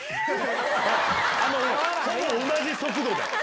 ほぼ同じ速度だよ。